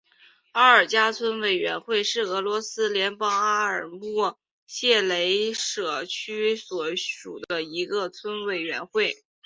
阿尔加村委员会是俄罗斯联邦阿穆尔州谢雷舍沃区所属的一个村委员会。